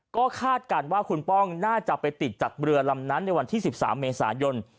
ก็คาดการณ์ว่าคุณป้องน่าจะไปติดจากเรือลำนั้นในวันที่๑๓เมษายน